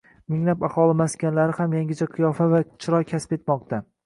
minglab aholi maskanlari ham yangicha qiyofa va chiroy kasb etmoqda.